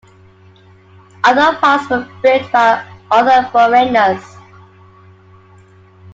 Other parts were built by other foreigners.